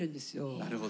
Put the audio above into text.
なるほど。